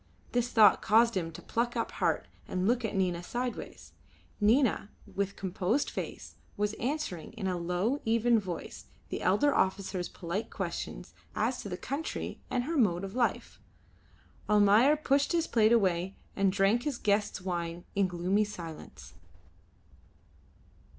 This thought caused him to pluck up heart and look at Nina sideways. Nina, with composed face, was answering in a low, even voice the elder officer's polite questions as to the country and her mode of life. Almayer pushed his plate away and drank his guest's wine in gloomy silence.